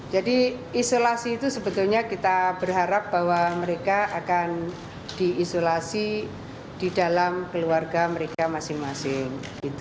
jadi isolasi itu sebetulnya kita berharap bahwa mereka akan diisolasi di dalam keluarga mereka masing masing